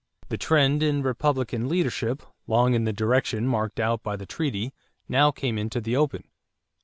The trend in Republican leadership, long in the direction marked out by the treaty, now came into the open.